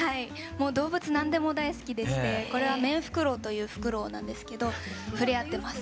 もう動物何でも大好きでしてこれはメンフクロウというフクロウなんですけど触れ合ってます。